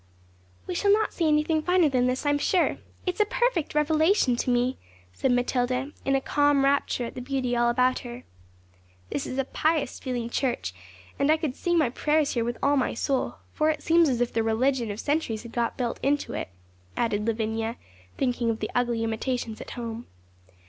'We shall not see anything finer than this, I'm sure. It's a perfect revelation to me,' said Matilda, in a calm rapture at the beauty all about her. 'This is a pious feeling church, and I could say my prayers here with all my soul; for it seems as if the religion of centuries had got built into it,' added Lavinia, thinking of the ugly imitations at home.